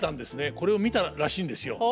これを見たらしいんですよ。